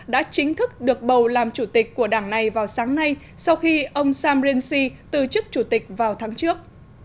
đã chính thức được bầu làm chủ tịch của đảng này vào sáng nay sau khi ông samrin si từ chức chủ tịch vào tháng trước